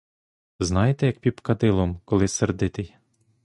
Знаєте, як піп кадилом, коли сердитий.